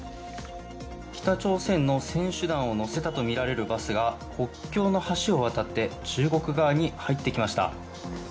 北朝鮮の選手団を乗せたとみられるバスが国境の橋を渡って中国側に入ってきました。